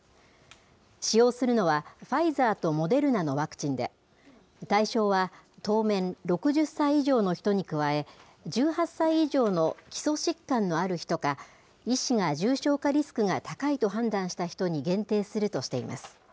使用するのは、ファイザーとモデルナのワクチンで、対象は当面、６０歳以上の人に加え、１８歳以上の基礎疾患のある人か、医師が重症化リスクが高いと判断した人に限定するとしています。